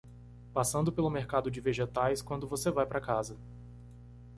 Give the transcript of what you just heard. Passando pelo mercado de vegetais quando você vai para casa